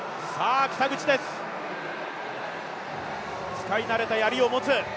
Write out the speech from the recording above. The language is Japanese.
北口です、使い慣れたやりを持つ。